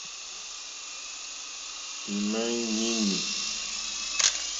Ímá ŋmɛ̀ní.